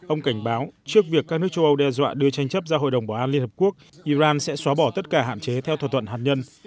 ông cảnh báo trước việc các nước châu âu đe dọa đưa tranh chấp ra hội đồng bảo an liên hợp quốc iran sẽ xóa bỏ tất cả hạn chế theo thỏa thuận hạt nhân